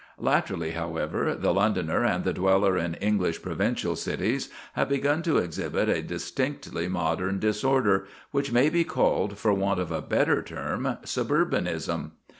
Latterly, however, the Londoner and the dweller in English provincial cities have begun to exhibit a distinctly modern disorder, which may be called, for want of a better term, "suburbanism."